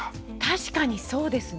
確かにそうですね。